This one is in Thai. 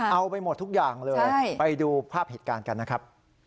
เอาไปหมดทุกอย่างเลยไปดูภาพเหตุการณ์กันนะครับ